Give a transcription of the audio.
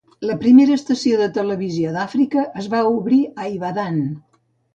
La primera estació de televisió d'Àfrica es va obrir a Ibadan.